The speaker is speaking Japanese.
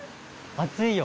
暑いよ。